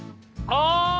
あ！